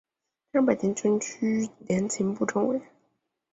担任北京军区联勤部政委。